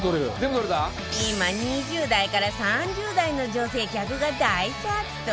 今２０代から３０代の女性客が大殺到